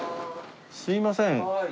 すいません。